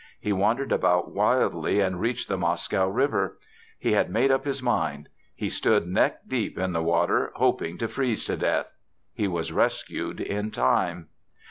He wandered about wildly and reached the Moscow River. He had made up his mind. He stood neck deep in the water, hoping to freeze to death. He was rescued in time.